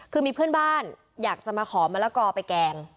คือมีเพื่อนบ้านอยากจะมาขอมะละกอไปแกง